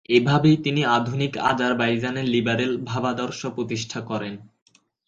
এভাবেই তিনি আধুনিক আজারবাইজানে লিবারেল ভাবাদর্শ প্রতিষ্ঠা করেন।